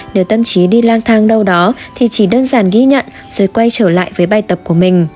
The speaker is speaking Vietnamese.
nếu tâm trí đi lang thang đâu đó thì chỉ đơn giản ghi nhận rồi quay trở lại với bài tập của mình